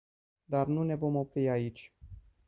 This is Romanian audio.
Dar nu ne vom opri aici.